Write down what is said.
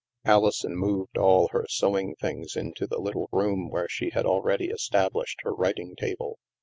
Alison moved all her sewing things into the little room where she had already established her writing table.